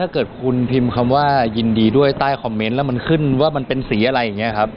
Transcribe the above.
คุณพิมพ์คำว่ายินดีด้วยใต้คอมเมนต์แล้วมันขึ้นว่ามันเป็นสีอะไร